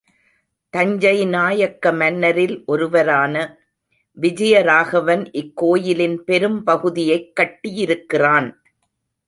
தஞ்சை நாயக்க மன்னரில் ஒருவரான விஜயராகவன் இக்கோயிலின் பெரும்பகுதியைக் கட்டியிருக்கிறான்.